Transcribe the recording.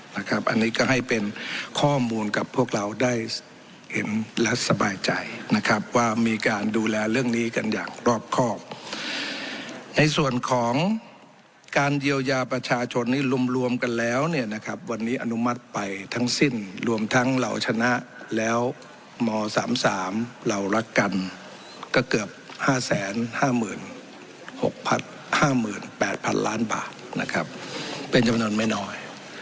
นะครับอันนี้ก็ให้เป็นข้อมูลกับพวกเราได้เห็นและสบายใจนะครับว่ามีการดูแลเรื่องนี้กันอย่างรอบครอบในส่วนของการเยียวยาประชาชนนี้รวมรวมกันแล้วเนี่ยนะครับวันนี้อนุมัติไปทั้งสิ้นรวมทั้งเราชนะแล้วม๓๓เรารักกันก็เกือบ๕๕๖๕๘๐๐๐ล้านบาทนะครับเป็นจำนวนไม่น้อย